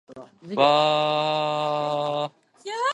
古川の持つて居る田圃の井戸を埋めて尻を持ち込まれた事もある。